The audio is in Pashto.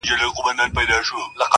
د روغن یوه ښیښه یې کړله ماته.!